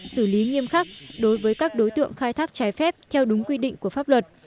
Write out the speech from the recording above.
xử lý nghiêm khắc đối với các đối tượng khai thác trái phép theo đúng quy định của pháp luật